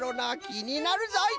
きになるぞい！